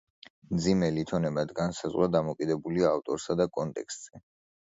მძიმე ლითონებად განსაზღვრა დამოკიდებულია ავტორსა და კონტექსტზე.